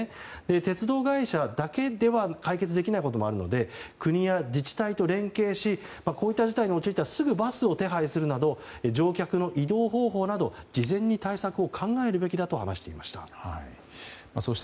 鉄道会社はだけでは解決できないこともあるので国や自治体と連携しこういった事態に陥ったらすぐにバスを手配するなど乗客の移動方法など事前に対策を考えるべきだと話していました。